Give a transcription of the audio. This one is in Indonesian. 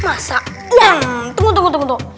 masa tunggu tunggu tunggu